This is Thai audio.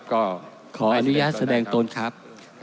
ก็ขออนุญาตแสดงตนครับ